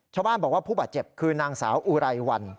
ชาวบ้านบอกว่าผู้บาดเจ็บคือนางสาวอุไรวัน